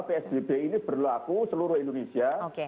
psbb ini berlaku seluruh indonesia